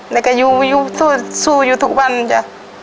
แล้วก็อยู่อยู่สู้สู้อยู่ทุกวันจ้ะ